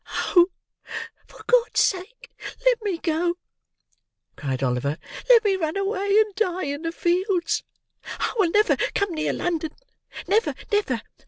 "Oh! for God's sake let me go!" cried Oliver; "let me run away and die in the fields. I will never come near London; never, never!